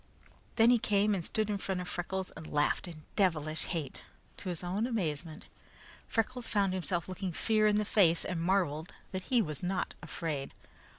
Then he came and stood in front of Freckles and laughed in devilish hate. To his own amazement, Freckles found himself looking fear in the face, and marveled that he was not afraid.